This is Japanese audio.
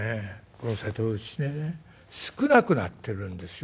この瀬戸内でね少なくなってるんですよ」。